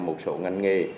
một số ngành nghề